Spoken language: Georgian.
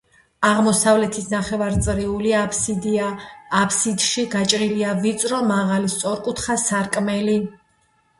აღმოსავლეთით ნახევარწრიული აფსიდია, აფსიდში გაჭრილია ვიწრო მაღალი სწორკუთხა სარკმელი.